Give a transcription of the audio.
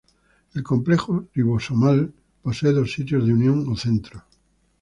El complejo ribosomal posee dos sitios de unión o centros.